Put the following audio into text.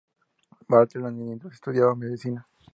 Bartholomew, mientras estudiaba Medicina.